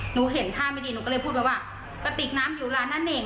หนูเห็นท่าไม่ดีหนูก็เลยพูดไปว่ากระติกน้ำอยู่ร้านนั่นเอง